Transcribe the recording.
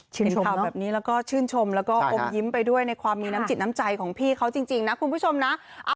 ชื่นชมเนอะใช่นะชื่นชมแล้วก็อมยิ้มไปด้วยในความมีน้ำจิตน้ำใจของพี่เขาจริงนะคุณผู้ชมนะ